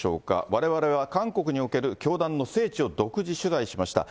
われわれは、韓国における教団の聖地を独自取材しました。